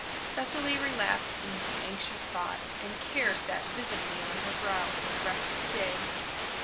Cecily relapsed into anxious thought, and care sat visibly on her brow for the rest of the day.